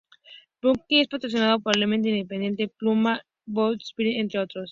Bucky es patrocinado por Element, Independent, Puma, Billabong y Von Zipper, entre otros.